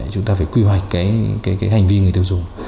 chúng ta phải quy hoạch cái hành vi người tiêu dùng